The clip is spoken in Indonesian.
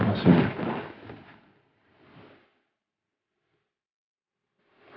kamu sendiri pak